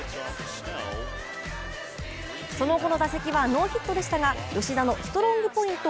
その後の打席はノーヒットでしたが、吉田のストロングポイント